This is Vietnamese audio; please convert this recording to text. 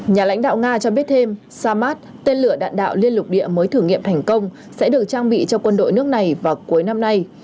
nhà lãnh đạo nga cho biết thêm samad tên lửa đạn đạo liên lục địa mới thử nghiệm thành công sẽ được trang bị cho quân đội nước này vào cuối năm nay